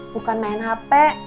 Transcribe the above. bukan main hp